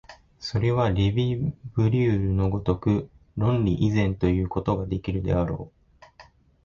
それはレヴィ・ブリュールの如く論理以前ということができるであろう。